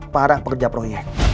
para pekerja proyek